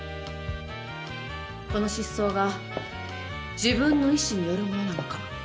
この失踪が自分の意思によるものなのか。